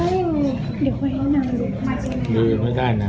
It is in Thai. อันนี้ก็มองดูนะคะ